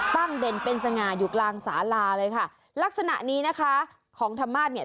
เด่นเป็นสง่าอยู่กลางสาลาเลยค่ะลักษณะนี้นะคะของธรรมาศเนี่ย